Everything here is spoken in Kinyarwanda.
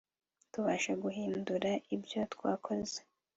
tubasha guhindura ibyo twakoze